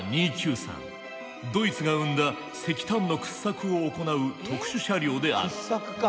ドイツが生んだ石炭の掘削を行う特殊車両である。